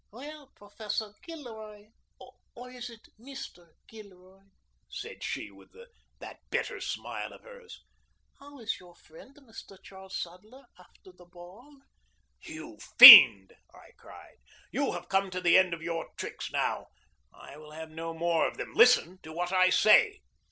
"Well, Professor Gilroy or is it Mr. Gilroy?" said she, with that bitter smile of hers. "How is your friend Mr. Charles Sadler after the ball?" "You fiend!" I cried. "You have come to the end of your tricks now. I will have no more of them. Listen to what I say."